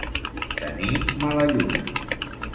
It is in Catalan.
Tenir mala lluna.